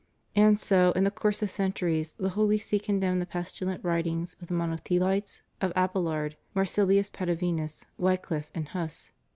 And so, in the course of centuries, the Holy See con demned the pestilent writings of the Mono thelites, of Abelard, Marsilius Patavinus, Wycliff, and Huss.